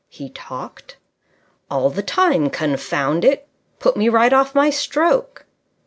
He talked?" "All the time, confound it! Put me right off my stroke."